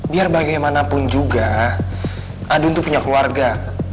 biar bagaimanapun juga adun itu punya keluarga